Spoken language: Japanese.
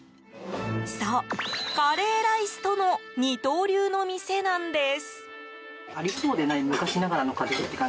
そう、カレーライスとの二刀流の店なんです。